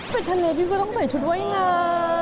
ไปทะเลพี่ก็ต้องใส่ชุดว่ายน้ำ